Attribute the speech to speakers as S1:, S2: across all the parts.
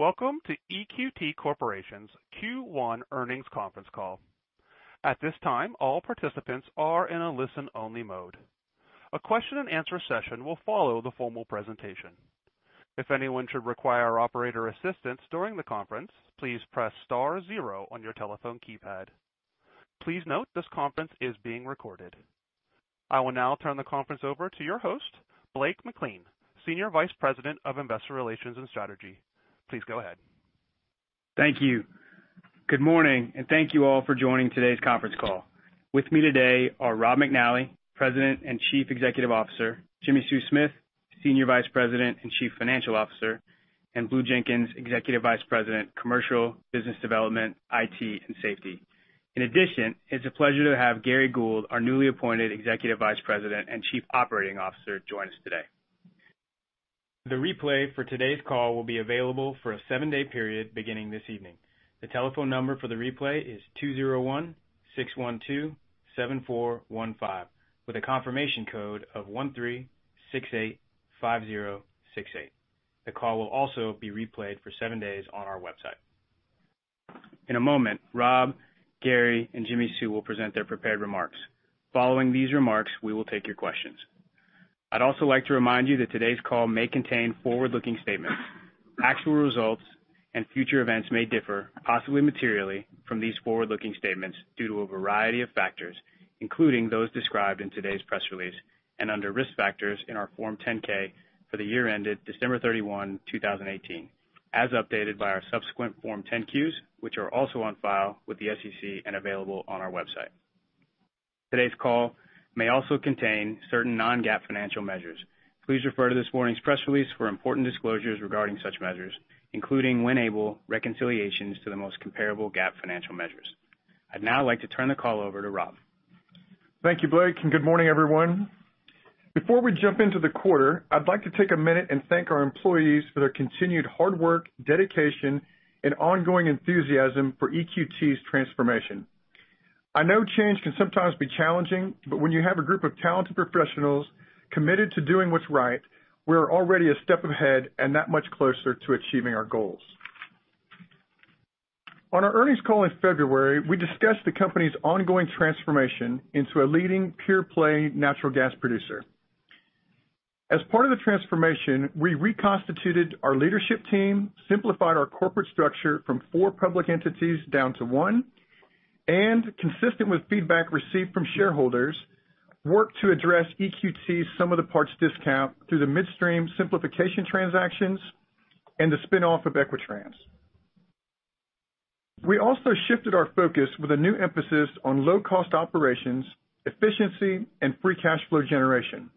S1: Thanks. Welcome to EQT Corporation's Q1 earnings conference call. At this time, all participants are in a listen-only mode. A question and answer session will follow the formal presentation. If anyone should require operator assistance during the conference, please press star zero on your telephone keypad. Please note this conference is being recorded. I will now turn the conference over to your host, Blake McLean, Senior Vice President of Investor Relations and Strategy. Please go ahead.
S2: Thank you. Good morning. Thank you all for joining today's conference call. With me today are Rob McNally, President and Chief Executive Officer, Jimmi Sue Smith, Senior Vice President and Chief Financial Officer, and Blue Jenkins, Executive Vice President, Commercial Business Development, IT, and Safety. In addition, it's a pleasure to have Gary Gould, our newly appointed Executive Vice President and Chief Operating Officer, join us today. The replay for today's call will be available for a seven-day period beginning this evening. The telephone number for the replay is 2016127415, with a confirmation code of 13685068. The call will also be replayed for seven days on our website. In a moment, Rob, Gary, and Jimmi Sue will present their prepared remarks. Following these remarks, we will take your questions. I'd also like to remind you that today's call may contain forward-looking statements. Actual results and future events may differ, possibly materially, from these forward-looking statements due to a variety of factors, including those described in today's press release and under risk factors in our Form 10-K for the year ended December 31, 2018, as updated by our subsequent Form 10-Q, which are also on file with the SEC and available on our website. Today's call may also contain certain non-GAAP financial measures. Please refer to this morning's press release for important disclosures regarding such measures, including, when able, reconciliations to the most comparable GAAP financial measures. I'd now like to turn the call over to Rob.
S3: Thank you, Blake. Good morning, everyone. Before we jump into the quarter, I'd like to take a minute and thank our employees for their continued hard work, dedication, and ongoing enthusiasm for EQT's transformation. I know change can sometimes be challenging. When you have a group of talented professionals committed to doing what's right, we're already a step ahead and that much closer to achieving our goals. On our earnings call in February, we discussed the company's ongoing transformation into a leading pure-play natural gas producer. As part of the transformation, we reconstituted our leadership team, simplified our corporate structure from four public entities down to one, and consistent with feedback received from shareholders, worked to address EQT's sum-of-the-parts discount through the midstream simplification transactions and the spin-off of Equitrans. We also shifted our focus with a new emphasis on low-cost operations, efficiency, and free cash flow generation.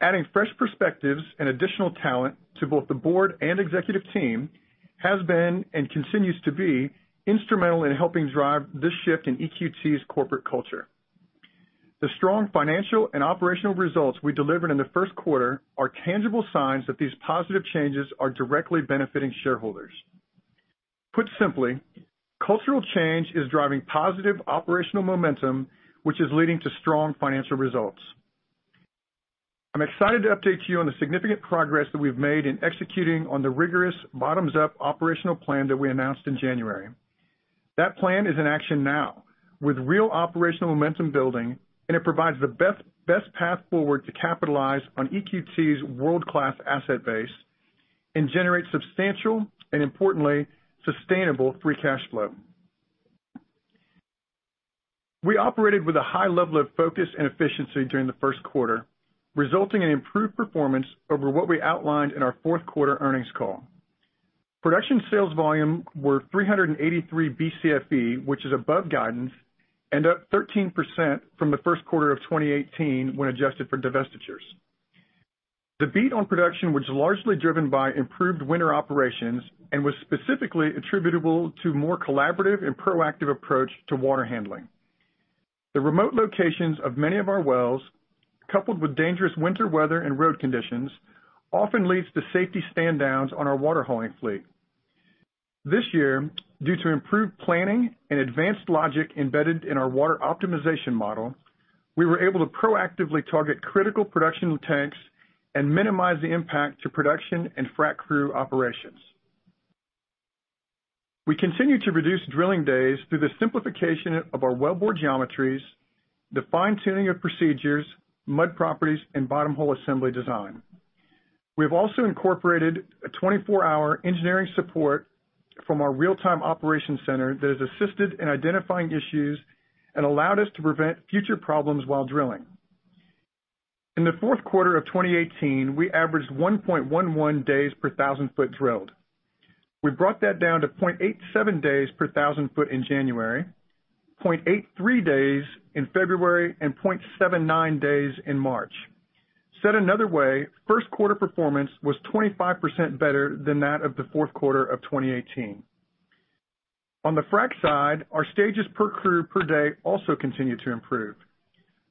S3: Adding fresh perspectives and additional talent to both the board and executive team has been, and continues to be, instrumental in helping drive this shift in EQT's corporate culture. The strong financial and operational results we delivered in the first quarter are tangible signs that these positive changes are directly benefiting shareholders. Put simply, cultural change is driving positive operational momentum, which is leading to strong financial results. I'm excited to update you on the significant progress that we've made in executing on the rigorous bottoms-up operational plan that we announced in January. That plan is in action now with real operational momentum building, and it provides the best path forward to capitalize on EQT's world-class asset base and generate substantial, and importantly, sustainable free cash flow. We operated with a high level of focus and efficiency during the first quarter, resulting in improved performance over what we outlined in our fourth quarter earnings call. Production sales volume were 383 Bcfe, which is above guidance and up 13% from the first quarter of 2018 when adjusted for divestitures. The beat on production was largely driven by improved winter operations and was specifically attributable to more collaborative and proactive approach to water handling. The remote locations of many of our wells, coupled with dangerous winter weather and road conditions, often leads to safety stand downs on our water hauling fleet. This year, due to improved planning and advanced logic embedded in our water optimization model, we were able to proactively target critical production tanks and minimize the impact to production and frac crew operations. We continue to reduce drilling days through the simplification of our wellbore geometries, the fine-tuning of procedures, mud properties, and bottom hole assembly design. We have also incorporated a 24-hour engineering support from our real-time operations center that has assisted in identifying issues and allowed us to prevent future problems while drilling. In the fourth quarter of 2018, we averaged 1.11 days per 1,000 foot drilled. We brought that down to 0.87 days per 1,000 foot in January, 0.83 days in February, and 0.79 days in March. Said another way, first quarter performance was 25% better than that of the fourth quarter of 2018. On the frac side, our stages per crew per day also continued to improve.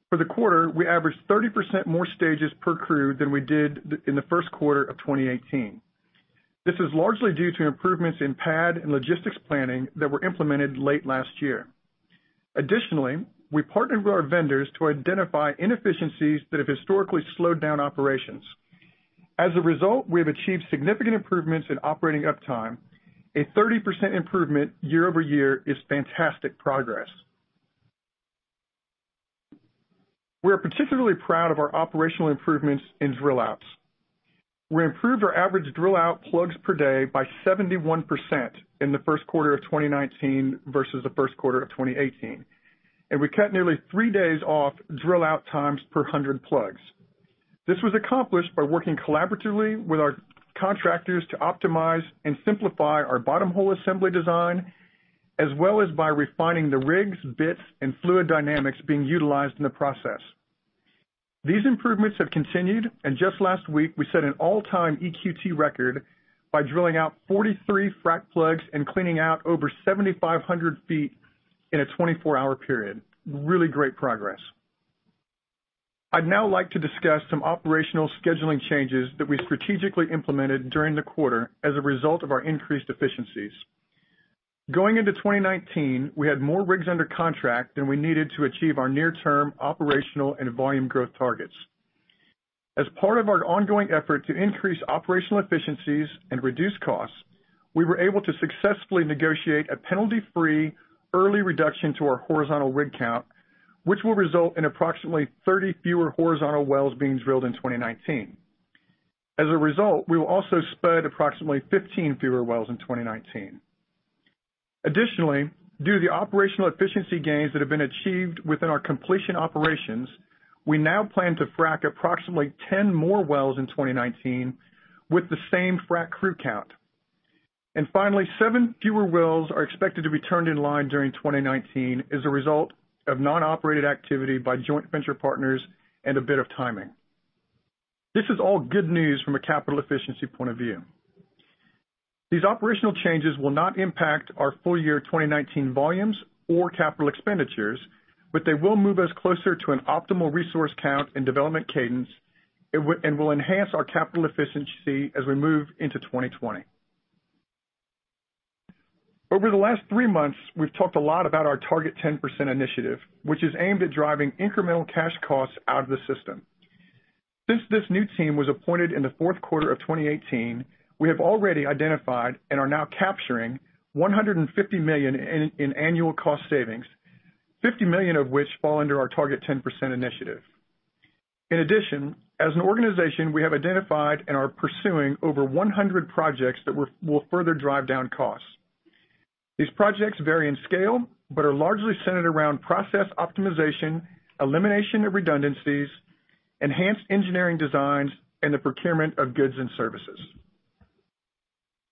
S3: For the quarter, we averaged 30% more stages per crew than we did in the first quarter of 2018. This is largely due to improvements in pad and logistics planning that were implemented late last year. Additionally, we partnered with our vendors to identify inefficiencies that have historically slowed down operations. As a result, we have achieved significant improvements in operating uptime. A 30% improvement year-over-year is fantastic progress. We are particularly proud of our operational improvements in drill outs. We improved our average drill out plugs per day by 71% in the first quarter of 2019 versus the first quarter of 2018, and we cut nearly three days off drill out times per 100 plugs. This was accomplished by working collaboratively with our contractors to optimize and simplify our bottom hole assembly design, as well as by refining the rigs, bits, and fluid dynamics being utilized in the process. These improvements have continued. Just last week, we set an all-time EQT record by drilling out 43 frack plugs and cleaning out over 7,500 feet in a 24-hour period. Really great progress. I'd now like to discuss some operational scheduling changes that we strategically implemented during the quarter as a result of our increased efficiencies. Going into 2019, we had more rigs under contract than we needed to achieve our near-term operational and volume growth targets. As part of our ongoing effort to increase operational efficiencies and reduce costs, we were able to successfully negotiate a penalty-free early reduction to our horizontal rig count, which will result in approximately 30 fewer horizontal wells being drilled in 2019. As a result, we will also spud approximately 15 fewer wells in 2019. Additionally, due to the operational efficiency gains that have been achieved within our completion operations, we now plan to frack approximately 10 more wells in 2019 with the same frack crew count. Finally, seven fewer wells are expected to be turned in line during 2019 as a result of non-operated activity by joint venture partners and a bit of timing. This is all good news from a capital efficiency point of view. These operational changes will not impact our full year 2019 volumes or capital expenditures. They will move us closer to an optimal resource count and development cadence, and will enhance our capital efficiency as we move into 2020. Over the last three months, we've talked a lot about our Target 10% initiative, which is aimed at driving incremental cash costs out of the system. Since this new team was appointed in the fourth quarter of 2018, we have already identified and are now capturing $150 million in annual cost savings, $50 million of which fall under our Target 10% initiative. In addition, as an organization, we have identified and are pursuing over 100 projects that will further drive down costs. These projects vary in scale, but are largely centered around process optimization, elimination of redundancies, enhanced engineering designs, and the procurement of goods and services.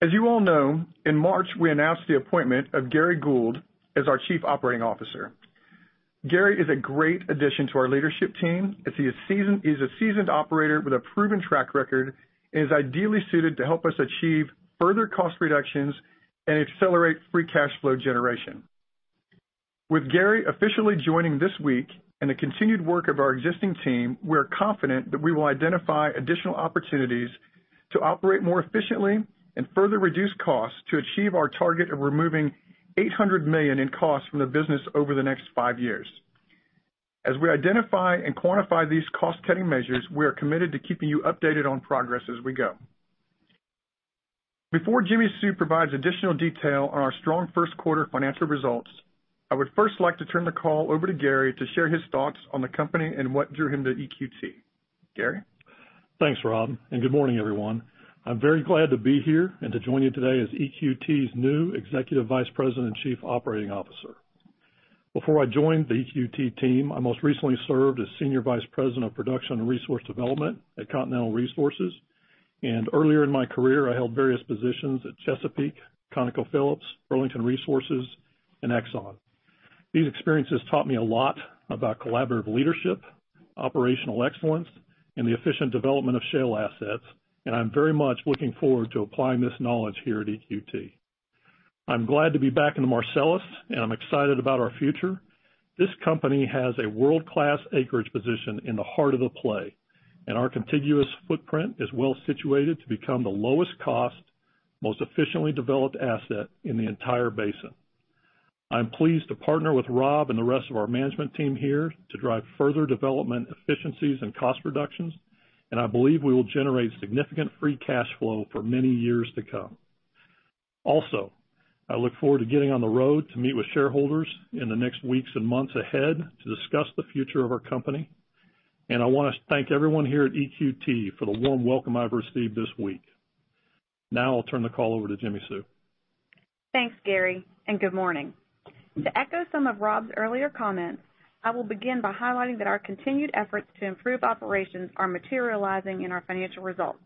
S3: As you all know, in March, we announced the appointment of Gary Gould as our Chief Operating Officer. Gary is a great addition to our leadership team, as he is a seasoned operator with a proven track record and is ideally suited to help us achieve further cost reductions and accelerate free cash flow generation. With Gary officially joining this week, the continued work of our existing team, we are confident that we will identify additional opportunities to operate more efficiently and further reduce costs to achieve our target of removing $800 million in costs from the business over the next five years. As we identify and quantify these cost-cutting measures, we are committed to keeping you updated on progress as we go. Before Jimmi Sue provides additional detail on our strong first quarter financial results, I would first like to turn the call over to Gary to share his thoughts on the company and what drew him to EQT. Gary?
S4: Thanks, Rob, and good morning, everyone. I'm very glad to be here and to join you today as EQT's new Executive Vice President, Chief Operating Officer. Before I joined the EQT team, I most recently served as Senior Vice President of Production and Resource Development at Continental Resources. Earlier in my career, I held various positions at Chesapeake, ConocoPhillips, Burlington Resources, and Exxon. These experiences taught me a lot about collaborative leadership, operational excellence, and the efficient development of shale assets, and I'm very much looking forward to applying this knowledge here at EQT. I'm glad to be back in the Marcellus, and I'm excited about our future. This company has a world-class acreage position in the heart of the play, and our contiguous footprint is well situated to become the lowest cost, most efficiently developed asset in the entire basin. I'm pleased to partner with Rob and the rest of our management team here to drive further development efficiencies and cost reductions, and I believe we will generate significant free cash flow for many years to come. Also, I look forward to getting on the road to meet with shareholders in the next weeks and months ahead to discuss the future of our company. I want to thank everyone here at EQT for the warm welcome I've received this week. Now, I'll turn the call over to Jimmi Sue.
S5: Thanks, Gary, and good morning. To echo some of Rob's earlier comments, I will begin by highlighting that our continued efforts to improve operations are materializing in our financial results.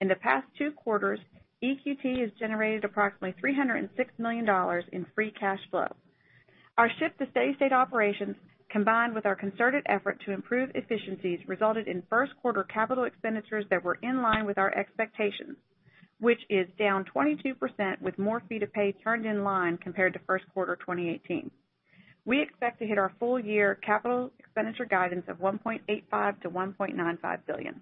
S5: In the past two quarters, EQT has generated approximately $306 million in free cash flow. Our shift to steady-state operations, combined with our concerted effort to improve efficiencies, resulted in first quarter capital expenditures that were in line with our expectations, which is down 22% with more feet of pay turned in line compared to first quarter 2018. We expect to hit our full year capital expenditure guidance of $1.85 billion-$1.95 billion.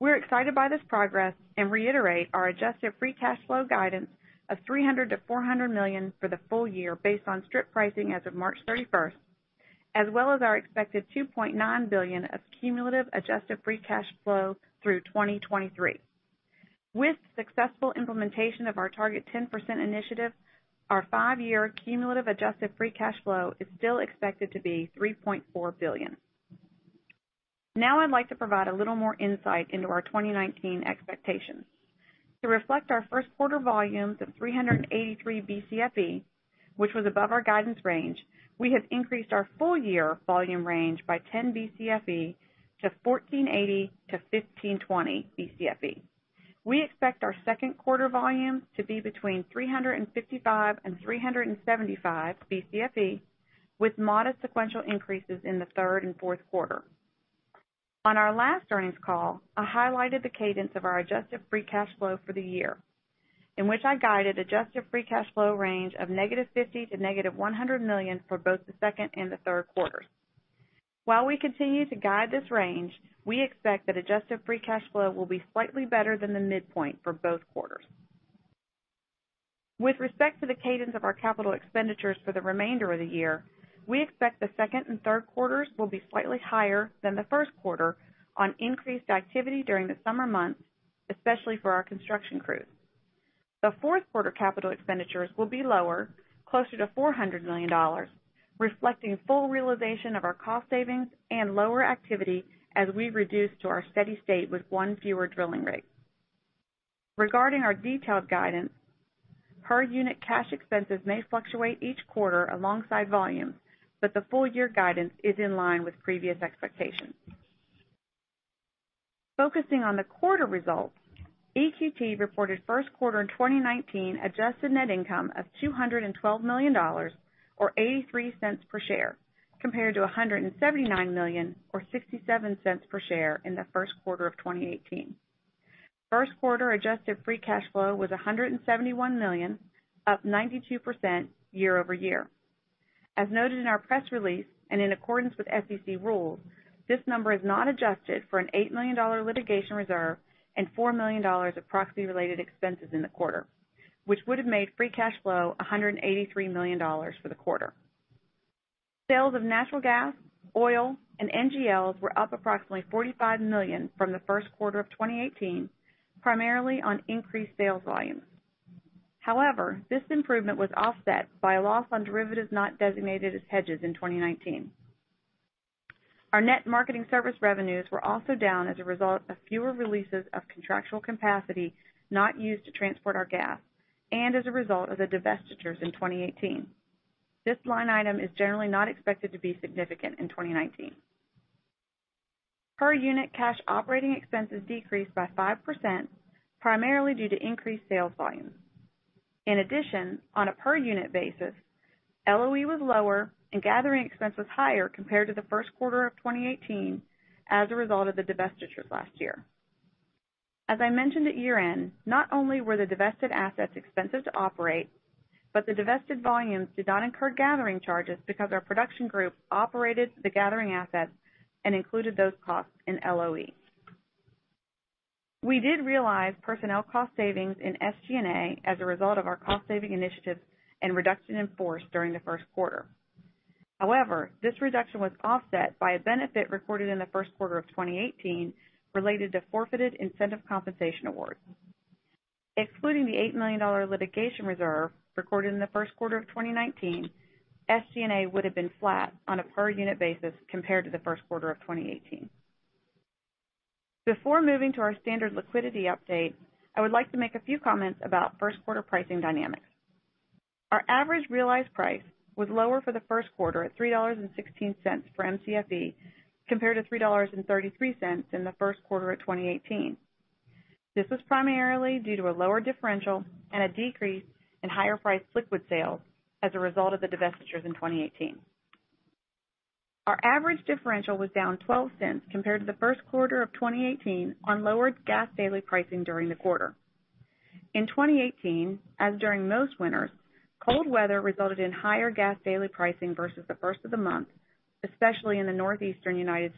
S5: We're excited by this progress and reiterate our adjusted free cash flow guidance of $300 million-$400 million for the full year based on strip pricing as of March 31st, as well as our expected $2.9 billion of cumulative adjusted free cash flow through 2023. With successful implementation of our Target 10% initiative, our five-year cumulative adjusted free cash flow is still expected to be $3.4 billion. Now I'd like to provide a little more insight into our 2019 expectations. To reflect our first quarter volumes of 383 Bcfe, which was above our guidance range, we have increased our full-year volume range by 10 Bcfe to 1,480-1,520 Bcfe. We expect our second quarter volumes to be between 355 and 375 Bcfe, with modest sequential increases in the third and fourth quarter. On our last earnings call, I highlighted the cadence of our adjusted free cash flow for the year, in which I guided adjusted free cash flow range of -$50 million to -$100 million for both the second and the third quarters. While we continue to guide this range, we expect that adjusted free cash flow will be slightly better than the midpoint for both quarters. With respect to the cadence of our capital expenditures for the remainder of the year, we expect the second and third quarters will be slightly higher than the first quarter on increased activity during the summer months, especially for our construction crews. The fourth quarter capital expenditures will be lower, closer to $400 million, reflecting full realization of our cost savings and lower activity as we reduce to our steady state with one fewer drilling rig. Regarding our detailed guidance, per unit cash expenses may fluctuate each quarter alongside volume, but the full year guidance is in line with previous expectations. Focusing on the quarter results, EQT reported first quarter in 2019 adjusted net income of $212 million, or $0.83 per share, compared to $179 million or $0.67 per share in the first quarter of 2018. First quarter adjusted free cash flow was $171 million, up 92% year-over-year. As noted in our press release, and in accordance with SEC rules, this number is not adjusted for an $8 million litigation reserve and $4 million of proxy-related expenses in the quarter, which would have made free cash flow $183 million for the quarter. Sales of natural gas, oil, and NGLs were up approximately $45 million from the first quarter of 2018, primarily on increased sales volumes. However, this improvement was offset by a loss on derivatives not designated as hedges in 2019. Our net marketing service revenues were also down as a result of fewer releases of contractual capacity not used to transport our gas, and as a result of the divestitures in 2018. This line item is generally not expected to be significant in 2019. Per unit cash operating expenses decreased by 5%, primarily due to increased sales volumes. In addition, on a per unit basis, LOE was lower and gathering expense was higher compared to the first quarter of 2018 as a result of the divestitures last year. As I mentioned at year-end, not only were the divested assets expensive to operate, but the divested volumes did not incur gathering charges because our production group operated the gathering assets and included those costs in LOE. We did realize personnel cost savings in SG&A as a result of our cost-saving initiatives and reduction in force during the first quarter. However, this reduction was offset by a benefit recorded in the first quarter of 2018 related to forfeited incentive compensation awards. Excluding the $8 million litigation reserve recorded in the first quarter of 2019, SG&A would have been flat on a per unit basis compared to the first quarter of 2018. Before moving to our standard liquidity update, I would like to make a few comments about first quarter pricing dynamics. Our average realized price was lower for the first quarter at $3.16 for MCFE, compared to $3.33 in the first quarter of 2018. This was primarily due to a lower differential and a decrease in higher-priced liquid sales as a result of the divestitures in 2018. Our average differential was down $0.12 compared to the first quarter of 2018 on lower gas daily pricing during the quarter. In 2018, as during most winters, cold weather resulted in higher gas daily pricing versus the first of the month, especially in the Northeastern U.S.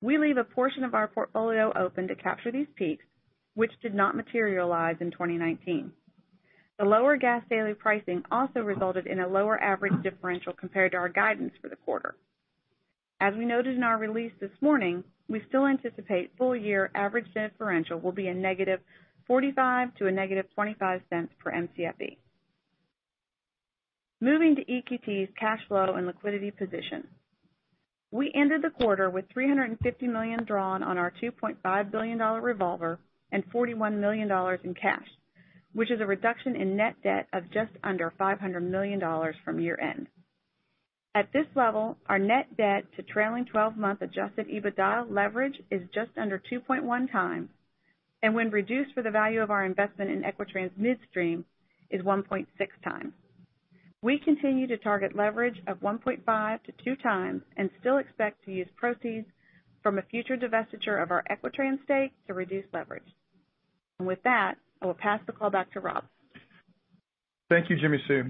S5: We leave a portion of our portfolio open to capture these peaks, which did not materialize in 2019. The lower gas daily pricing also resulted in a lower average differential compared to our guidance for the quarter. As we noted in our release this morning, we still anticipate full-year average differential will be -$0.45 to -$0.25 per MCFE. Moving to EQT's cash flow and liquidity position. We ended the quarter with $350 million drawn on our $2.5 billion revolver and $41 million in cash, which is a reduction in net debt of just under $500 million from year-end. At this level, our net debt to trailing 12-month adjusted EBITDA leverage is just under 2.1 times, and when reduced for the value of our investment in Equitrans Midstream, is 1.6 times. We continue to target leverage of 1.5-2 times and still expect to use proceeds from a future divestiture of our Equitrans stake to reduce leverage. With that, I will pass the call back to Rob.
S3: Thank you, Jimmi Sue.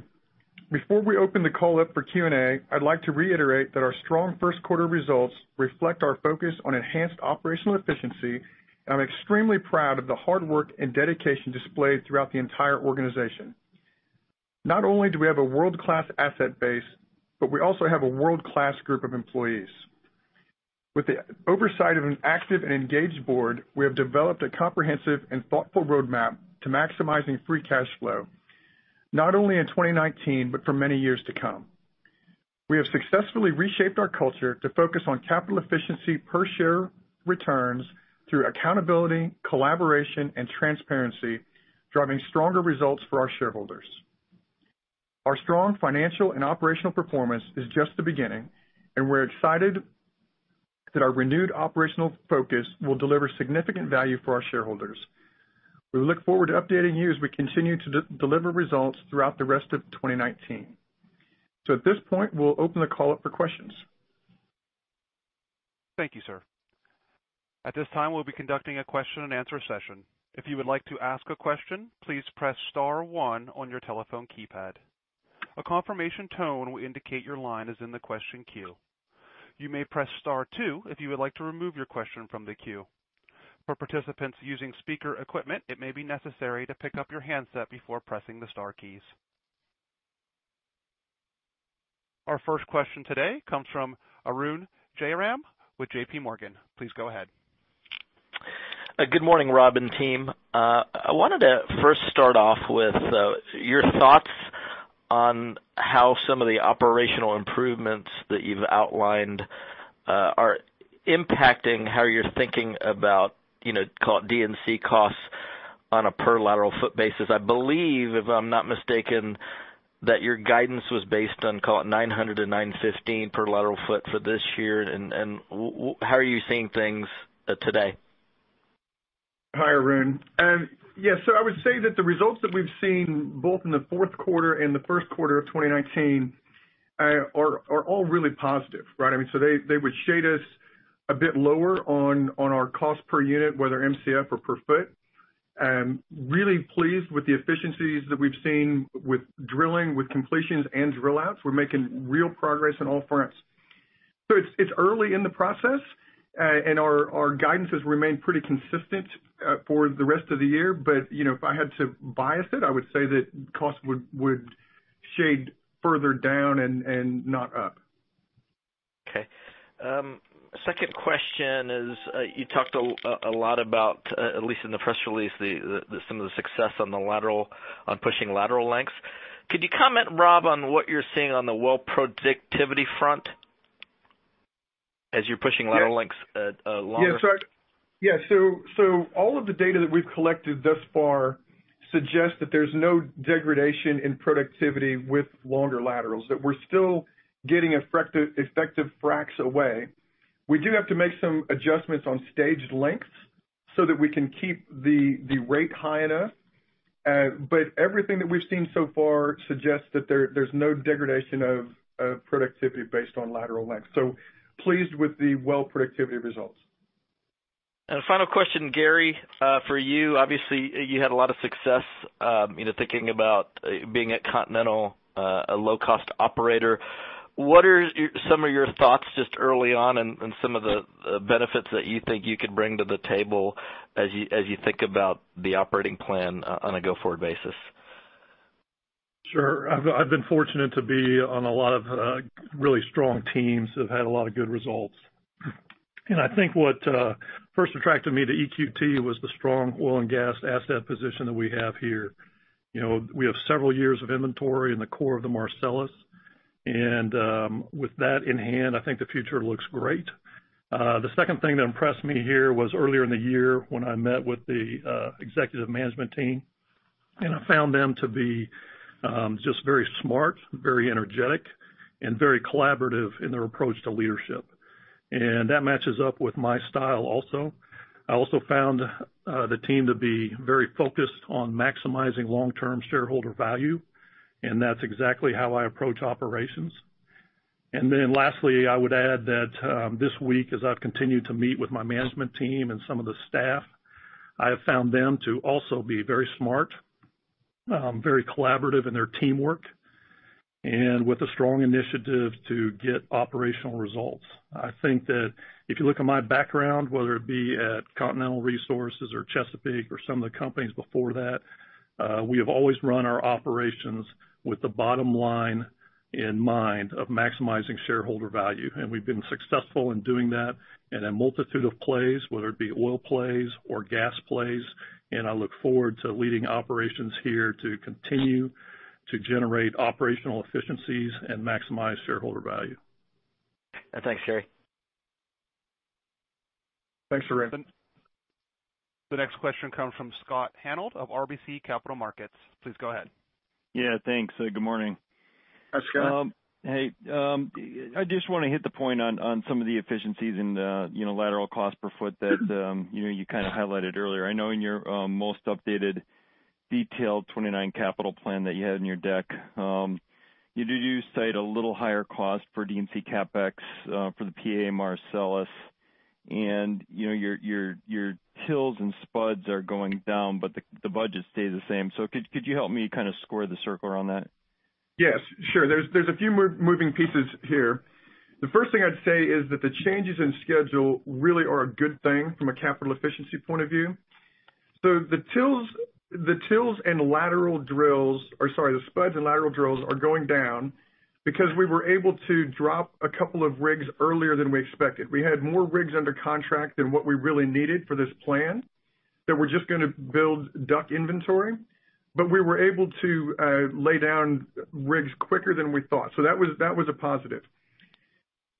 S3: Before we open the call up for Q&A, I'd like to reiterate that our strong first quarter results reflect our focus on enhanced operational efficiency, and I'm extremely proud of the hard work and dedication displayed throughout the entire organization. Not only do we have a world-class asset base, but we also have a world-class group of employees. With the oversight of an active and engaged board, we have developed a comprehensive and thoughtful roadmap to maximizing free cash flow, not only in 2019, but for many years to come. We have successfully reshaped our culture to focus on capital efficiency per share returns through accountability, collaboration, and transparency, driving stronger results for our shareholders. Our strong financial and operational performance is just the beginning, and we're excited that our renewed operational focus will deliver significant value for our shareholders. We look forward to updating you as we continue to deliver results throughout the rest of 2019. At this point, we'll open the call up for questions.
S1: Thank you, sir. At this time, we'll be conducting a question and answer session. If you would like to ask a question, please press star one on your telephone keypad. A confirmation tone will indicate your line is in the question queue. You may press star two if you would like to remove your question from the queue. For participants using speaker equipment, it may be necessary to pick up your handset before pressing the star keys. Our first question today comes from Arun Jayaram with JPMorgan. Please go ahead.
S6: Good morning, Rob and team. I wanted to first start off with your thoughts on how some of the operational improvements that you've outlined are impacting how you're thinking about D&C costs on a per lateral foot basis. I believe, if I'm not mistaken, that your guidance was based on, call it 900-915 per lateral foot for this year. How are you seeing things today?
S3: Hi, Arun. Yes. I would say that the results that we've seen both in the fourth quarter and the first quarter of 2019 are all really positive, right? They would shade us a bit lower on our cost per unit, whether MCF or per foot. Really pleased with the efficiencies that we've seen with drilling, with completions, and drill outs. We're making real progress on all fronts. It's early in the process, and our guidance has remained pretty consistent for the rest of the year. If I had to bias it, I would say that cost would shade further down and not up.
S6: Okay. Second question is, you talked a lot about, at least in the press release, some of the success on pushing lateral lengths. Could you comment, Rob, on what you're seeing on the well productivity front as you're pushing lateral lengths longer?
S3: Yeah. All of the data that we've collected thus far suggests that there's no degradation in productivity with longer laterals, that we're still getting effective fracs away. We do have to make some adjustments on stage lengths so that we can keep the rate high enough. Everything that we've seen so far suggests that there's no degradation of productivity based on lateral length. Pleased with the well productivity results.
S6: Final question, Gary, for you. Obviously, you had a lot of success thinking about being at Continental, a low-cost operator. What are some of your thoughts just early on and some of the benefits that you think you could bring to the table as you think about the operating plan on a go-forward basis?
S4: Sure. I've been fortunate to be on a lot of really strong teams that have had a lot of good results. I think what first attracted me to EQT was the strong oil and gas asset position that we have here. We have several years of inventory in the core of the Marcellus, and with that in hand, I think the future looks great. The second thing that impressed me here was earlier in the year when I met with the executive management team, and I found them to be just very smart, very energetic, and very collaborative in their approach to leadership. That matches up with my style also. I also found the team to be very focused on maximizing long-term shareholder value, and that's exactly how I approach operations. Lastly, I would add that this week, as I've continued to meet with my management team and some of the staff, I have found them to also be very smart, very collaborative in their teamwork, and with a strong initiative to get operational results. I think that if you look at my background, whether it be at Continental Resources or Chesapeake or some of the companies before that, we have always run our operations with the bottom line in mind of maximizing shareholder value. We've been successful in doing that in a multitude of plays, whether it be oil plays or gas plays, and I look forward to leading operations here to continue to generate operational efficiencies and maximize shareholder value.
S6: Thanks, Gary.
S3: Thanks, Arun.
S1: The next question comes from Scott Hanold of RBC Capital Markets. Please go ahead.
S7: Yeah, thanks. Good morning.
S3: Hi, Scott.
S7: Hey. I just want to hit the point on some of the efficiencies and lateral cost per foot that you highlighted earlier. I know in your most updated detailed 2029 capital plan that you had in your deck, you did cite a little higher cost for D&C CapEx for the PA Marcellus. Your tills and spuds are going down, but the budget stays the same. Could you help me kind of square the circle on that?
S3: Yes, sure. There's a few moving pieces here. The first thing I'd say is that the changes in schedule really are a good thing from a capital efficiency point of view. The tills and lateral drills, or sorry, the spuds and lateral drills are going down because we were able to drop a couple of rigs earlier than we expected. We had more rigs under contract than what we really needed for this plan, that were just going to build DUC inventory. We were able to lay down rigs quicker than we thought. That was a positive.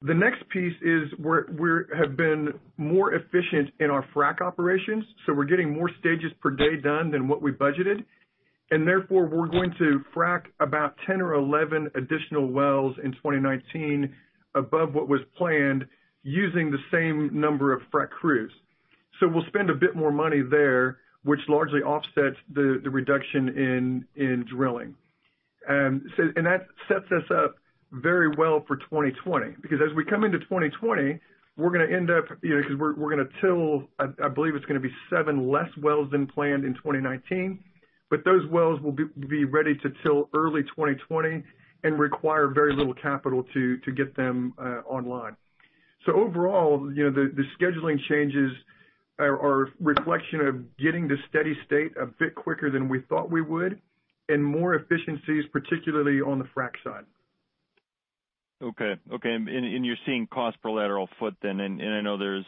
S3: The next piece is we have been more efficient in our frack operations, so we're getting more stages per day done than what we budgeted. Therefore, we're going to frack about 10 or 11 additional wells in 2019 above what was planned using the same number of frack crews. We'll spend a bit more money there, which largely offsets the reduction in drilling. That sets us up very well for 2020. As we come into 2020, we're going to till, I believe it's going to be seven less wells than planned in 2019. Those wells will be ready to till early 2020 and require very little capital to get them online. Overall, the scheduling changes are a reflection of getting to steady state a bit quicker than we thought we would, and more efficiencies, particularly on the frack side.
S7: Okay. You're seeing cost per lateral foot then, and I know there's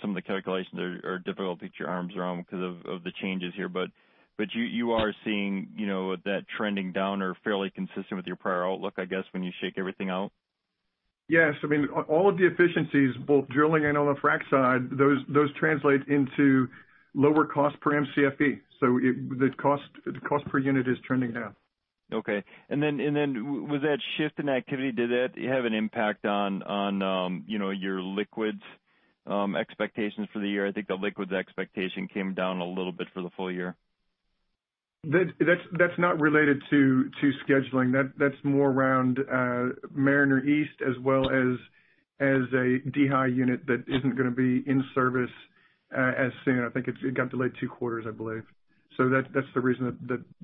S7: some of the calculations are difficult to get your arms around because of the changes here. You are seeing that trending down or fairly consistent with your prior outlook, I guess, when you shake everything out?
S3: Yes. I mean, all of the efficiencies, both drilling and on the frack side, those translate into lower cost per MCFE. The cost per unit is trending down.
S7: Okay. With that shift in activity, did that have an impact on your liquids expectations for the year? I think the liquids expectation came down a little bit for the full year.
S3: That's not related to scheduling. That's more around Mariner East as well as a dehy unit that isn't going to be in service as soon. I think it got delayed two quarters, I believe. That's the reason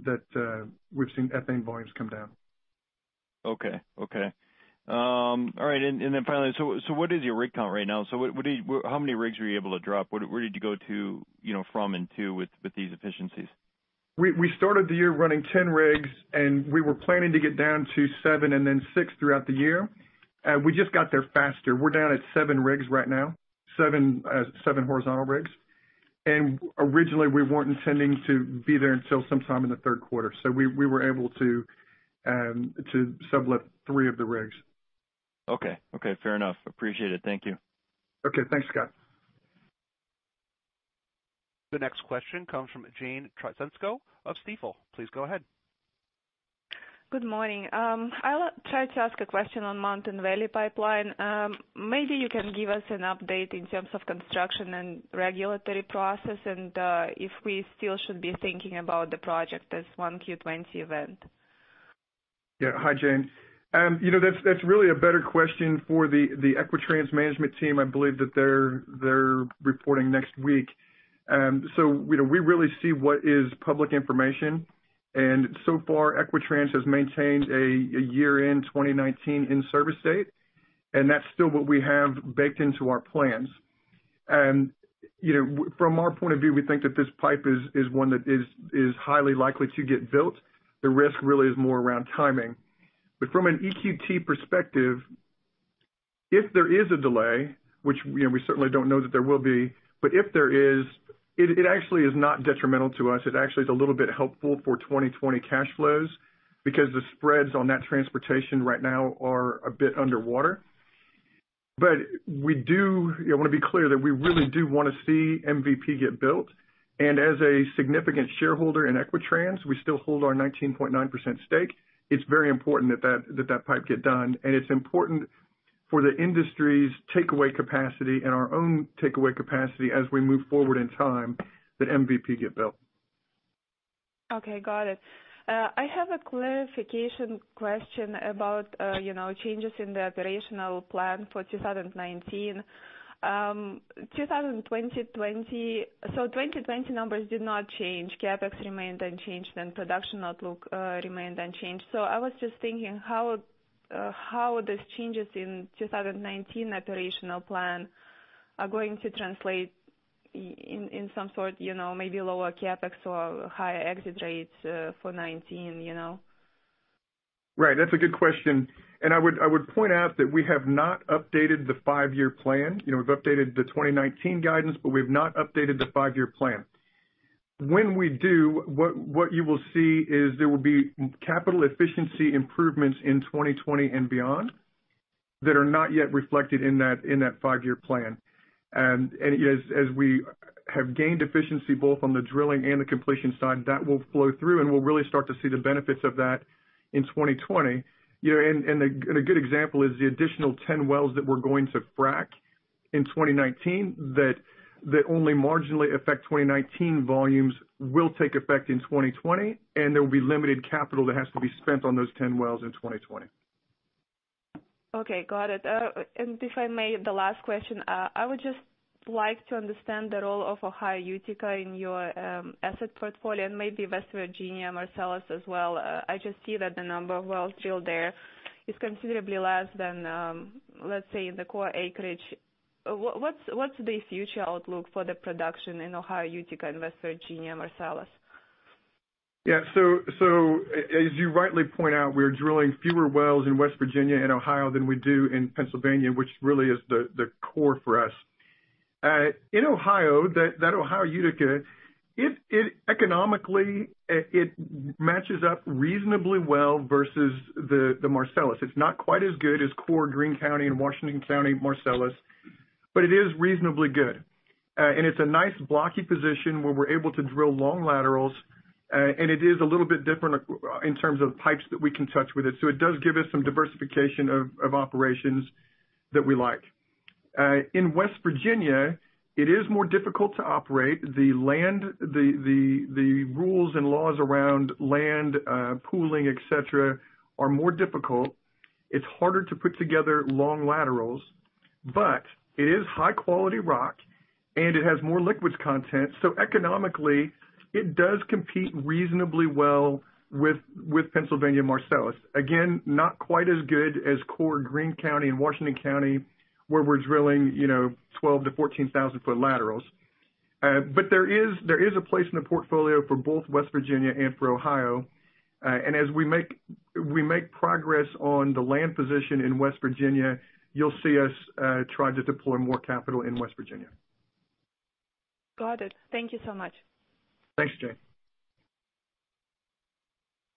S3: that we've seen ethane volumes come down.
S7: Okay. All right. What is your rig count right now? How many rigs were you able to drop? Where did you go from and to with these efficiencies?
S3: We started the year running 10 rigs, and we were planning to get down to seven and then six throughout the year. We just got there faster. We're down at seven rigs right now, seven horizontal rigs. Originally, we weren't intending to be there until sometime in the third quarter. We were able to sublet three of the rigs.
S7: Okay. Fair enough. Appreciate it. Thank you.
S3: Okay. Thanks, Scott.
S1: The next question comes from Jeanine Wai of Stifel. Please go ahead.
S8: Good morning. I would like to ask a question on Mountain Valley Pipeline. Maybe you can give us an update in terms of construction and regulatory process, and if we still should be thinking about the project as one 2020 event.
S3: Yeah. Hi, Jeanine. That's really a better question for the Equitrans management team. I believe that they're reporting next week. We really see what is public information. So far, Equitrans has maintained a year-end 2019 in-service date, and that's still what we have baked into our plans. From our point of view, we think that this pipe is one that is highly likely to get built. The risk really is more around timing. From an EQT perspective, if there is a delay, which we certainly don't know that there will be, but if there is, it actually is not detrimental to us. It actually is a little bit helpful for 2020 cash flows because the spreads on that transportation right now are a bit underwater. I want to be clear that we really do want to see MVP get built. As a significant shareholder in Equitrans, we still hold our 19.9% stake. It's very important that that pipe get done. It's important for the industry's takeaway capacity and our own takeaway capacity as we move forward in time that MVP get built.
S8: Okay, got it. I have a clarification question about changes in the operational plan for 2019. 2020 numbers did not change. CapEx remained unchanged and production outlook remained unchanged. I was just thinking how those changes in 2019 operational plan are going to translate in some sort, maybe lower CapEx or higher exit rates for 2019.
S3: Right. That's a good question. I would point out that we have not updated the five-year plan. We've updated the 2019 guidance, but we've not updated the five-year plan. When we do, what you will see is there will be capital efficiency improvements in 2020 and beyond that are not yet reflected in that five-year plan. As we have gained efficiency both on the drilling and the completion side, that will flow through, and we'll really start to see the benefits of that in 2020. A good example is the additional 10 wells that we're going to frack in 2019 that only marginally affect 2019 volumes will take effect in 2020, and there will be limited capital that has to be spent on those 10 wells in 2020.
S8: Okay, got it. If I may, the last question. I would just like to understand the role of Ohio Utica in your asset portfolio and maybe West Virginia Marcellus as well. I just see that the number of wells drilled there is considerably less than, let's say, the core acreage. What's the future outlook for the production in Ohio Utica and West Virginia Marcellus?
S3: Yeah. As you rightly point out, we're drilling fewer wells in West Virginia and Ohio than we do in Pennsylvania, which really is the core for us. In Ohio, that Ohio Utica, economically, it matches up reasonably well versus the Marcellus. It's not quite as good as core Greene County and Washington County Marcellus, but it is reasonably good. It's a nice blocky position where we're able to drill long laterals. It is a little bit different in terms of pipes that we can touch with it. It does give us some diversification of operations that we like. In West Virginia, it is more difficult to operate. The rules and laws around land pooling, et cetera, are more difficult. It's harder to put together long laterals, but it is high-quality rock, and it has more liquids content. Economically, it does compete reasonably well with Pennsylvania Marcellus. Again, not quite as good as core Greene County and Washington County, where we're drilling 12,000-14,000-foot laterals. There is a place in the portfolio for both West Virginia and for Ohio. As we make progress on the land position in West Virginia, you'll see us try to deploy more capital in West Virginia.
S8: Got it. Thank you so much.
S3: Thanks, Jeanine.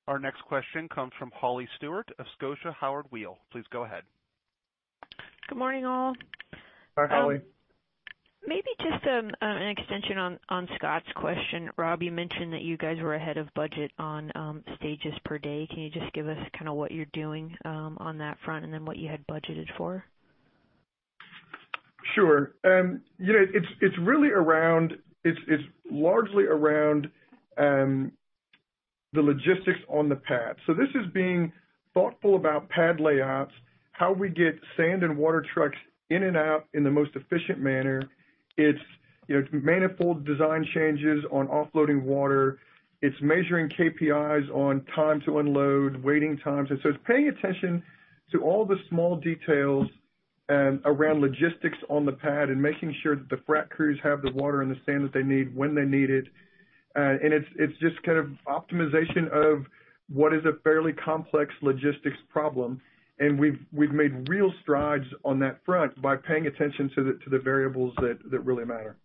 S1: Our next question comes from Holly Stewart of Scotia Howard Weil. Please go ahead.
S9: Good morning, all.
S3: Hi, Holly.
S9: Maybe just an extension on Scott's question. Rob, you mentioned that you guys were ahead of budget on stages per day. Can you just give us what you're doing on that front, and then what you had budgeted for?
S3: Sure. It's largely around the logistics on the pad. This is being thoughtful about pad layouts, how we get sand and water trucks in and out in the most efficient manner. It's manifold design changes on offloading water. It's measuring KPIs on time to unload, waiting times. It's paying attention to all the small details around logistics on the pad and making sure that the frac crews have the water and the sand that they need when they need it. It's just optimization of what is a fairly complex logistics problem. We've made real strides on that front by paying attention to the variables that really matter.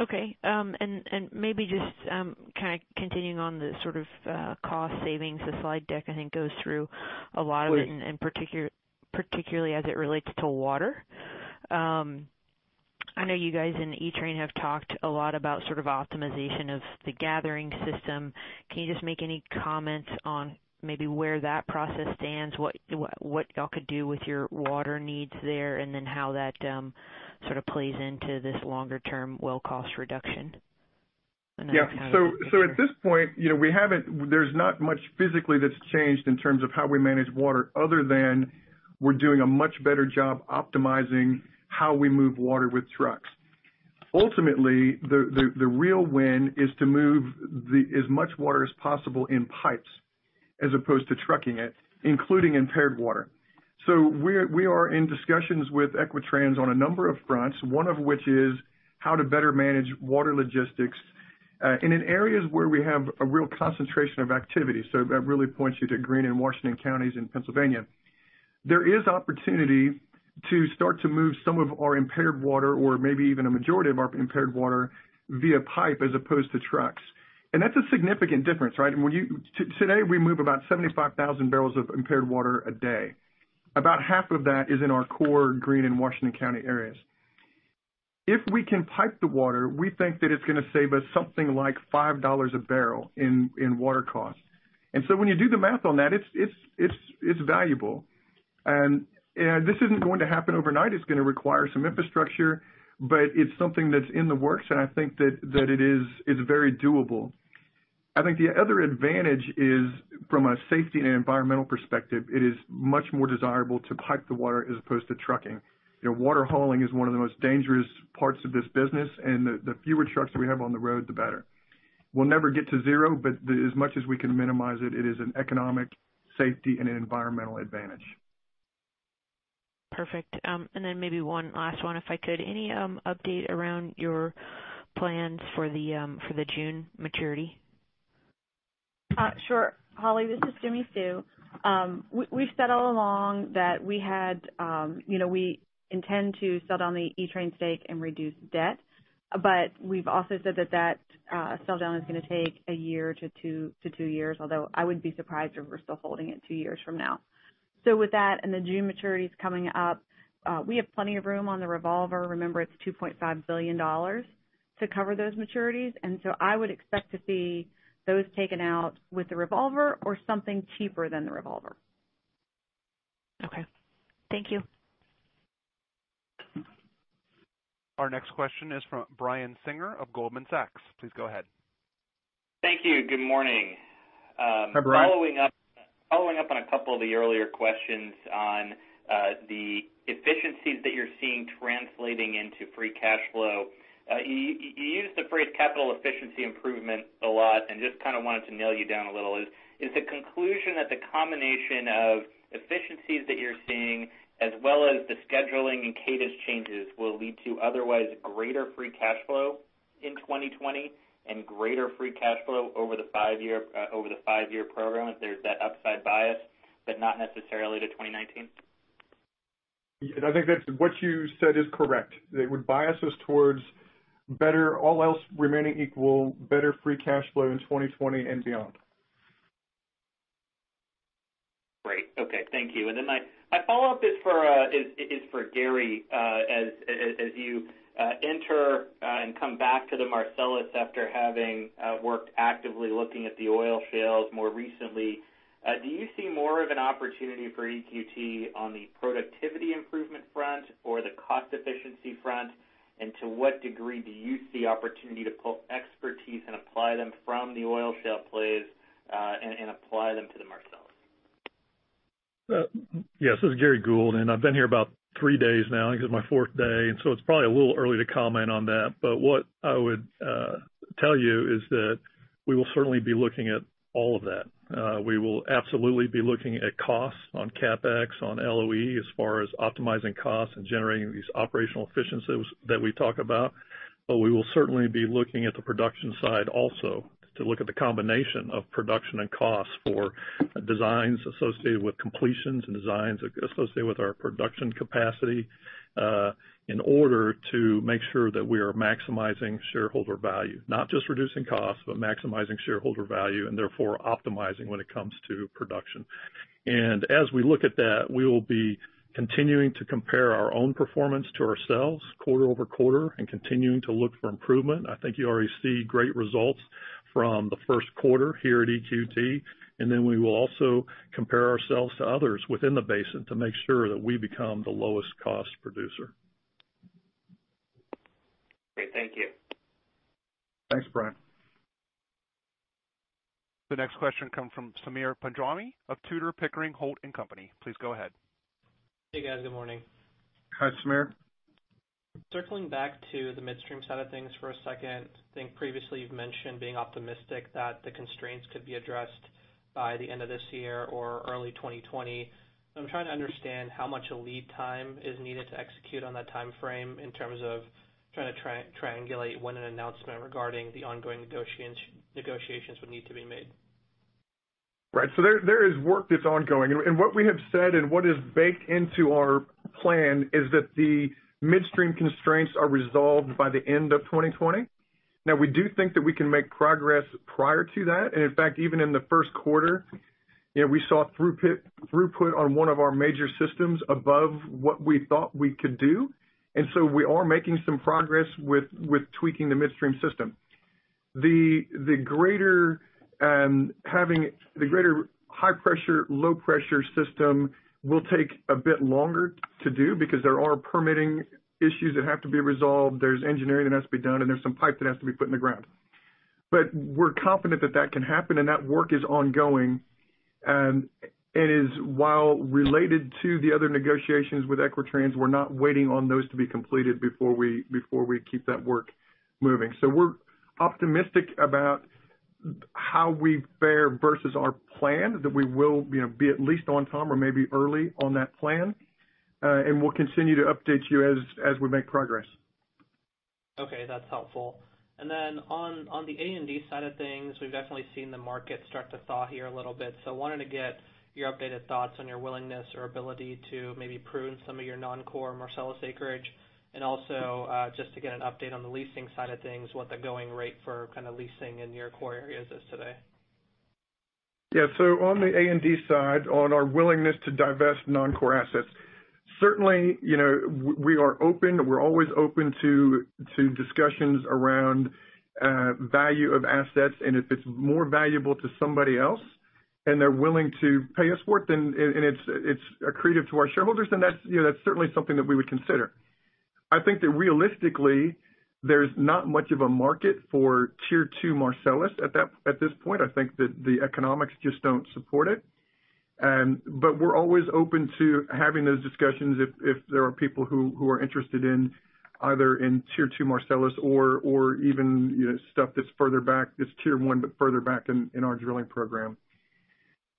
S9: Okay. Maybe just continuing on the sort of cost savings. The slide deck, I think, goes through a lot of it, particularly as it relates to water. I know you guys in Equitrans have talked a lot about optimization of the gathering system. Can you just make any comments on maybe where that process stands, what y'all could do with your water needs there, then how that sort of plays into this longer-term well cost reduction?
S3: Yeah. At this point, there's not much physically that's changed in terms of how we manage water other than we're doing a much better job optimizing how we move water with trucks. Ultimately, the real win is to move as much water as possible in pipes as opposed to trucking it, including impaired water. We are in discussions with Equitrans on a number of fronts, one of which is how to better manage water logistics. In areas where we have a real concentration of activity, that really points you to Greene and Washington counties in Pennsylvania. There is opportunity to start to move some of our impaired water, or maybe even a majority of our impaired water, via pipe as opposed to trucks. That's a significant difference, right? Today, we move about 75,000 barrels of impaired water a day. About half of that is in our core Greene and Washington County areas. If we can pipe the water, we think that it's going to save us something like $5 a barrel in water cost. When you do the math on that, it's valuable. This isn't going to happen overnight. It's going to require some infrastructure, but it's something that's in the works, and I think that it is very doable. I think the other advantage is from a safety and environmental perspective, it is much more desirable to pipe the water as opposed to trucking. Water hauling is one of the most dangerous parts of this business, and the fewer trucks we have on the road, the better. We'll never get to zero, but as much as we can minimize it is an economic, safety, and an environmental advantage.
S9: Perfect. Maybe one last one if I could. Any update around your plans for the June maturity?
S5: Sure. Holly, this is Jimmi Sue. We've said all along that we intend to sell down the Equitrans stake and reduce debt, we've also said that that sell down is going to take one year to two years, although I would be surprised if we're still holding it two years from now. With that and the June maturities coming up, we have plenty of room on the revolver. Remember, it's $2.5 billion to cover those maturities, I would expect to see those taken out with the revolver or something cheaper than the revolver.
S9: Okay. Thank you.
S1: Our next question is from Brian Singer of Goldman Sachs. Please go ahead.
S10: Thank you. Good morning.
S3: Hi, Brian.
S10: Following up on a couple of the earlier questions on the efficiencies that you're seeing translating into free cash flow. You used the phrase capital efficiency improvement a lot, and just kind of wanted to nail you down a little. Is the conclusion that the combination of efficiencies that you're seeing, as well as the scheduling and cadence changes, will lead to otherwise greater free cash flow in 2020 and greater free cash flow over the five-year program, if there's that upside bias, but not necessarily to 2019?
S3: I think that what you said is correct. It would bias us towards better, all else remaining equal, better free cash flow in 2020 and beyond.
S10: Great. Okay. Thank you. My follow-up is for Gary. As you enter and come back to the Marcellus after having worked actively looking at the oil shales more recently, do you see more of an opportunity for EQT on the productivity improvement front or the cost efficiency front? To what degree do you see opportunity to pull expertise and apply them from the oil shale plays, and apply them to the Marcellus?
S4: Yes. This is Gary Gould. I've been here about three days now. I think it's my fourth day. It's probably a little early to comment on that. What I would tell you is that we will certainly be looking at all of that. We will absolutely be looking at costs on CapEx, on LOE, as far as optimizing costs and generating these operational efficiencies that we talk about. We will certainly be looking at the production side also to look at the combination of production and costs for designs associated with completions and designs associated with our production capacity, in order to make sure that we are maximizing shareholder value. Not just reducing costs, but maximizing shareholder value, optimizing when it comes to production. As we look at that, we will be continuing to compare our own performance to ourselves quarter-over-quarter, continuing to look for improvement. I think you already see great results from the first quarter here at EQT. We will also compare ourselves to others within the basin to make sure that we become the lowest cost producer.
S10: Great. Thank you.
S3: Thanks, Brian.
S1: The next question comes from Sameer Panjwani of Tudor, Pickering, Holt & Co.. Please go ahead.
S11: Hey, guys. Good morning.
S3: Hi, Sameer.
S11: Circling back to the midstream side of things for a second. I think previously you've mentioned being optimistic that the constraints could be addressed by the end of this year or early 2020. I'm trying to understand how much a lead time is needed to execute on that timeframe in terms of trying to triangulate when an announcement regarding the ongoing negotiations would need to be made.
S3: Right. There is work that's ongoing. What we have said and what is baked into our plan is that the midstream constraints are resolved by the end of 2020. We do think that we can make progress prior to that. In fact, even in the first quarter, we saw throughput on one of our major systems above what we thought we could do. We are making some progress with tweaking the midstream system. The greater high pressure, low pressure system will take a bit longer to do because there are permitting issues that have to be resolved. There's engineering that has to be done, and there's some pipe that has to be put in the ground. We're confident that that can happen, and that work is ongoing. Is while related to the other negotiations with Equitrans, we're not waiting on those to be completed before we keep that work moving. We're optimistic about how we fare versus our plan, that we will be at least on time or maybe early on that plan. We'll continue to update you as we make progress.
S11: Okay, that's helpful. On the A&D side of things, we've definitely seen the market start to thaw here a little bit. I wanted to get your updated thoughts on your willingness or ability to maybe prune some of your non-core Marcellus acreage, and also just to get an update on the leasing side of things, what the going rate for kind of leasing in your core areas is today.
S3: Yeah. On the A&D side, on our willingness to divest non-core assets, certainly, we are open. We're always open to discussions around value of assets. If it's more valuable to somebody else, they're willing to pay us for it, and it's accretive to our shareholders, that's certainly something that we would consider. I think that realistically, there's not much of a market for tier 2 Marcellus at this point. I think that the economics just don't support it. We're always open to having those discussions if there are people who are interested in either in tier 2 Marcellus or even stuff that's further back, that's tier 1, but further back in our drilling program.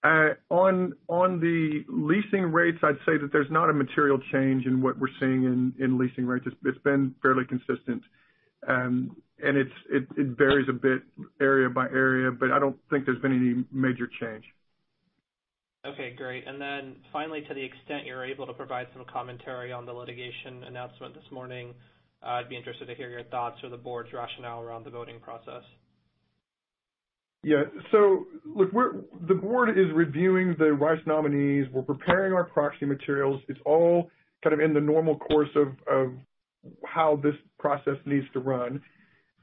S3: On the leasing rates, I'd say that there's not a material change in what we're seeing in leasing rates. It's been fairly consistent. It varies a bit area by area, I don't think there's been any major change.
S11: Okay, great. Finally, to the extent you're able to provide some commentary on the litigation announcement this morning, I'd be interested to hear your thoughts or the board's rationale around the voting process.
S3: Yeah. Look, the board is reviewing the Rice nominees. We're preparing our proxy materials. It's all kind of in the normal course of how this process needs to run.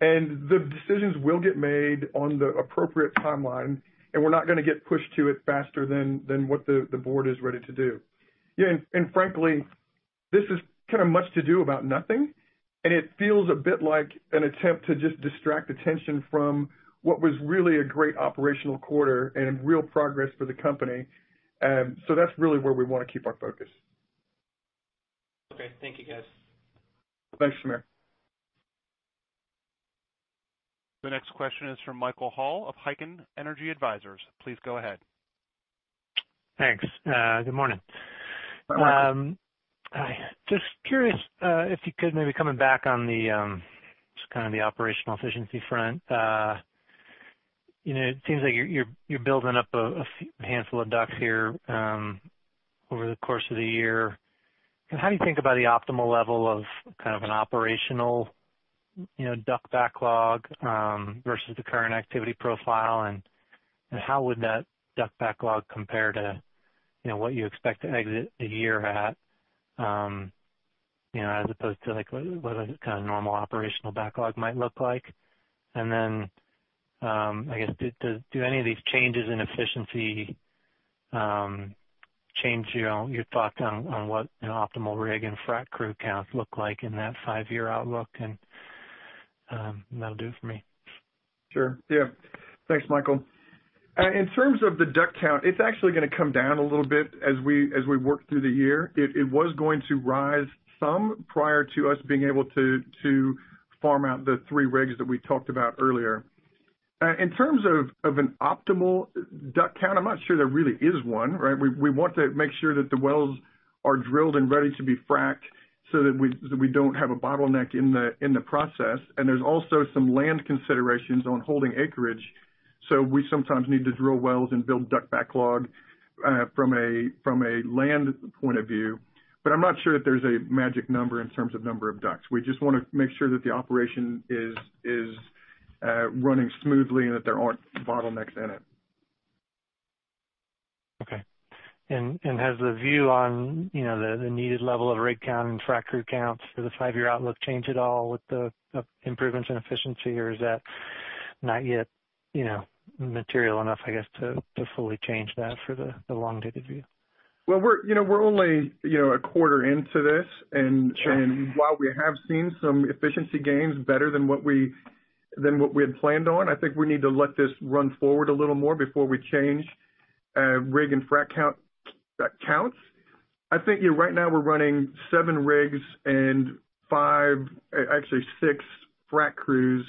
S3: The decisions will get made on the appropriate timeline, we're not going to get pushed to it faster than what the board is ready to do. Yeah, frankly, this is kind of much to do about nothing, it feels a bit like an attempt to just distract attention from what was really a great operational quarter and real progress for the company. That's really where we want to keep our focus.
S11: Okay. Thank you, guys.
S3: Thanks, Sameer.
S1: The next question is from Michael Hall of Heikkinen Energy Advisors. Please go ahead.
S12: Thanks. Good morning.
S3: Good morning.
S12: Hi. Just curious, if you could maybe coming back on the operational efficiency front. It seems like you're building up a handful of DUCs here over the course of the year. How do you think about the optimal level of an operational DUC backlog versus the current activity profile, and how would that DUC backlog compare to what you expect to exit the year at as opposed to what a kind of normal operational backlog might look like? Then, I guess, do any of these changes in efficiency change your thought on what an optimal rig and frac crew count look like in that five-year outlook and that'll do for me.
S3: Sure. Yeah. Thanks, Michael. In terms of the DUC count, it's actually going to come down a little bit as we work through the year. It was going to rise some prior to us being able to farm out the three rigs that we talked about earlier. In terms of an optimal DUC count, I'm not sure there really is one, right? We want to make sure that the wells are drilled and ready to be fracked so that we don't have a bottleneck in the process. There's also some land considerations on holding acreage. We sometimes need to drill wells and build DUC backlog from a land point of view. I'm not sure that there's a magic number in terms of number of DUCs. We just want to make sure that the operation is running smoothly and that there aren't bottlenecks in it.
S12: Okay. Has the view on the needed level of rig count and frac crew counts for the five-year outlook changed at all with the improvements in efficiency, or is that not yet material enough, I guess, to fully change that for the long-dated view?
S3: Well, we're only a quarter into this.
S12: Sure.
S3: While we have seen some efficiency gains better than what we had planned on, I think we need to let this run forward a little more before we change rig and frac counts. I think right now we're running seven rigs and five, actually six frac crews.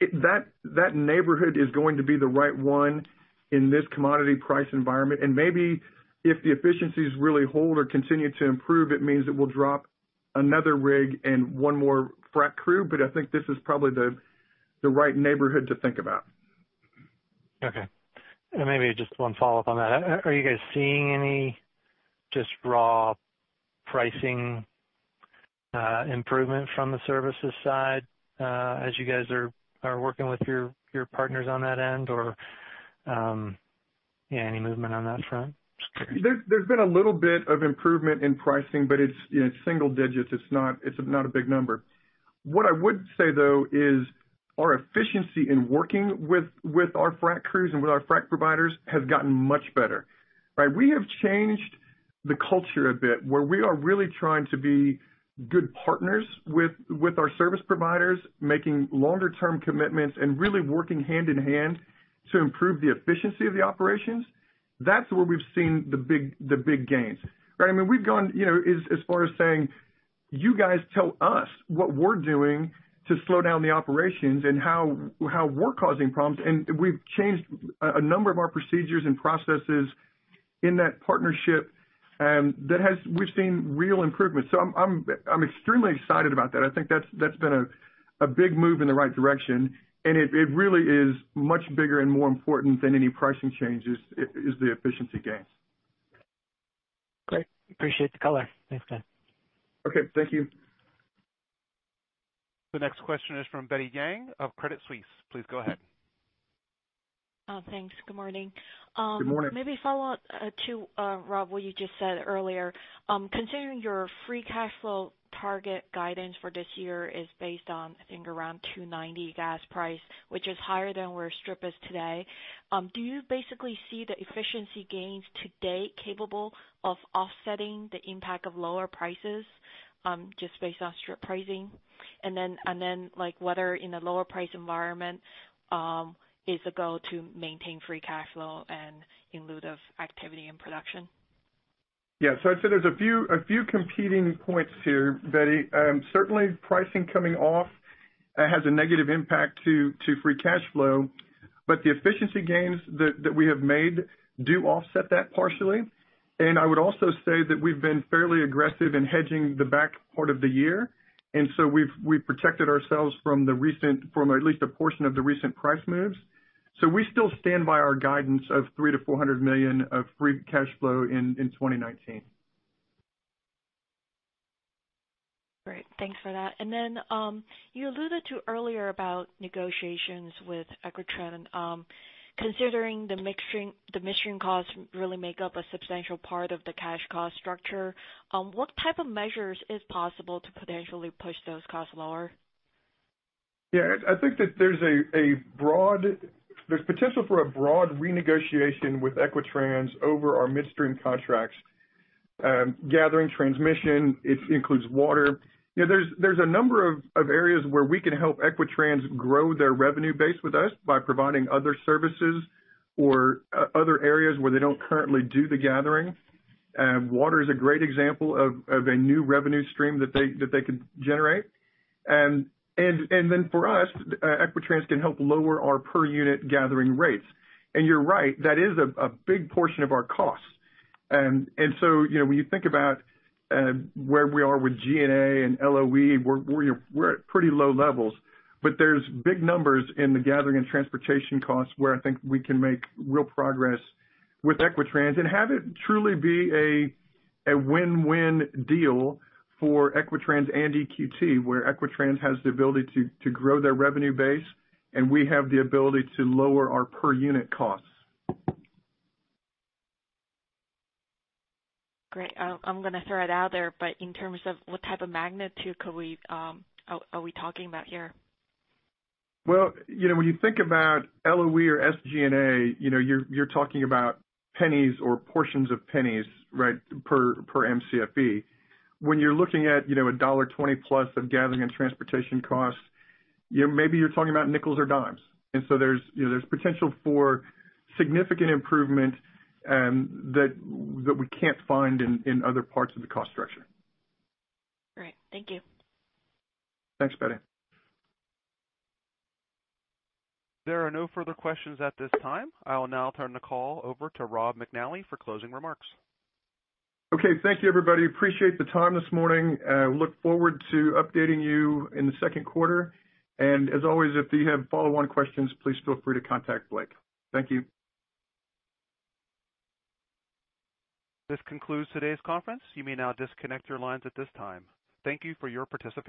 S3: That neighborhood is going to be the right one in this commodity price environment. Maybe if the efficiencies really hold or continue to improve, it means that we'll drop another rig and one more frac crew, but I think this is probably the right neighborhood to think about.
S12: Okay. Maybe just one follow-up on that. Are you guys seeing any just raw pricing improvement from the services side as you guys are working with your partners on that end or any movement on that front?
S3: There's been a little bit of improvement in pricing, but it's single digits. It's not a big number. What I would say, though, is our efficiency in working with our frac crews and with our frac providers has gotten much better, right? We have changed the culture a bit, where we are really trying to be good partners with our service providers, making longer term commitments, and really working hand in hand to improve the efficiency of the operations. That's where we've seen the big gains. I mean, we've gone as far as saying, "You guys tell us what we're doing to slow down the operations and how we're causing problems." We've changed a number of our procedures and processes in that partnership. We've seen real improvements. I'm extremely excited about that. I think that's been a big move in the right direction, it really is much bigger and more important than any pricing changes, is the efficiency gains.
S12: Great. Appreciate the color. Thanks, guys.
S3: Okay. Thank you.
S1: The next question is from Betty Jiang of Credit Suisse. Please go ahead.
S13: Thanks. Good morning.
S3: Good morning.
S13: Maybe a follow-up to, Rob, what you just said earlier. Considering your free cash flow target guidance for this year is based on, I think, around $290 gas price, which is higher than where strip is today, do you basically see the efficiency gains today capable of offsetting the impact of lower prices just based on strip pricing? Then, like, whether in a lower price environment is a goal to maintain free cash flow and in lieu of activity and production?
S3: Yeah. I'd say there's a few competing points here, Betty. Certainly, pricing coming off has a negative impact to free cash flow, the efficiency gains that we have made do offset that partially. I would also say that we've been fairly aggressive in hedging the back part of the year, we've protected ourselves from at least a portion of the recent price moves. We still stand by our guidance of $300 million-$400 million of free cash flow in 2019.
S13: Great. Thanks for that. You alluded to earlier about negotiations with Equitrans. Considering the midstream costs really make up a substantial part of the cash cost structure, what type of measures is possible to potentially push those costs lower?
S3: Yeah, I think that there's potential for a broad renegotiation with Equitrans over our midstream contracts. Gathering transmission, it includes water. There's a number of areas where we can help Equitrans grow their revenue base with us by providing other services or other areas where they don't currently do the gathering. Water is a great example of a new revenue stream that they could generate. For us, Equitrans can help lower our per unit gathering rates. You're right, that is a big portion of our costs. So when you think about where we are with G&A and LOE, we're at pretty low levels. There's big numbers in the gathering and transportation costs where I think we can make real progress with Equitrans and have it truly be a win-win deal for Equitrans and EQT, where Equitrans has the ability to grow their revenue base, we have the ability to lower our per unit costs.
S13: Great. I'm going to throw it out there, in terms of what type of magnitude are we talking about here?
S3: Well, when you think about LOE or SG&A, you're talking about pennies or portions of pennies, right, per MCFE. When you're looking at a $1.20 plus of gathering and transportation costs, maybe you're talking about nickels or dimes. There's potential for significant improvement that we can't find in other parts of the cost structure.
S13: Great. Thank you.
S3: Thanks, Betty.
S1: There are no further questions at this time. I will now turn the call over to Rob McNally for closing remarks.
S3: Okay, thank you, everybody. Appreciate the time this morning. Look forward to updating you in the second quarter. As always, if you have follow-on questions, please feel free to contact Blake. Thank you.
S1: This concludes today's conference. You may now disconnect your lines at this time. Thank you for your participation.